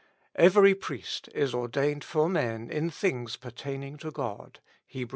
Every priest is ordained for men in things pertaining to God'' (Heb. v.